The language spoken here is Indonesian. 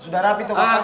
sudah rapi dong bapak